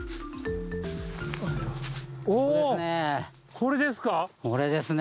これですね。